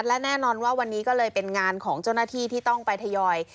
และแน่นอนว่าวันนี้ก็เลยเป็นงานของเจ้าหน้าที่ที่ต้องไปทยอย